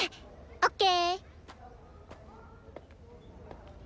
ＯＫ！